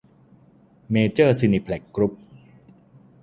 เมเจอร์ ซีนีเพล็กซ์ กรุ้ป